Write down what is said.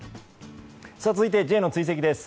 続いてはＪの追跡です。